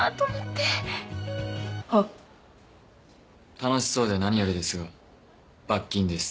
楽しそうで何よりですが罰金です。